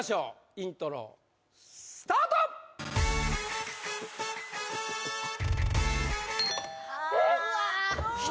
イントロスタート・うわっ！